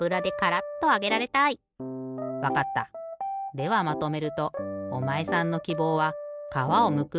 ではまとめるとおまえさんのきぼうは「かわをむく」